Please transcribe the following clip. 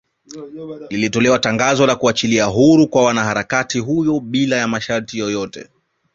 Lilitolewa tangazo la kuachiliwa huru kwa mwanaharakati huyo bila ya masharti yoyote